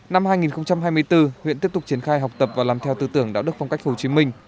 năm hai nghìn hai mươi bốn huyện tiếp tục triển khai học tập và làm theo tư tưởng đạo đức phong cách hồ chí minh